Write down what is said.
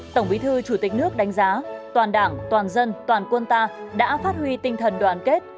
tổng bí thư chủ tịch nước đánh giá toàn đảng toàn dân toàn quân ta đã phát huy tinh thần đoàn kết